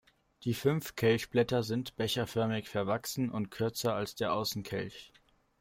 Die fünf Kelchblätter sind becherförmig verwachsen und kürzer als der Außenkelch.